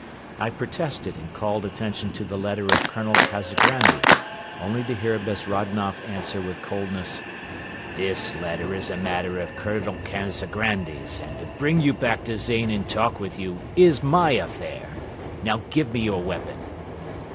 I protested and called attention to the letter of Colonel Kazagrandi, only to hear Bezrodnoff answer with coldness: "This letter is a matter of Colonel Kazagrandi's and to bring you back to Zain and talk with you is my affair. Now give me your weapon."